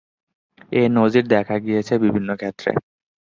এর নজির দেখা গিয়েছে বিভিন্ন ক্ষেত্রে।